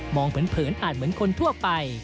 มองเหมือนเผินอาจเหมือนคนทั่วไป